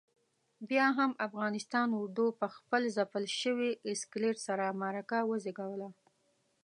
بیا هم افغانستان اردو پخپل ځپل شوي اسکلیت سره معرکه وزېږوله.